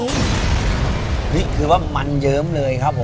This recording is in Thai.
นี่คือว่ามันเยิ้มเลยครับผม